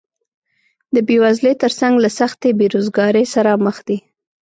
د بېوزلۍ تر څنګ له سختې بېروزګارۍ سره مخ دي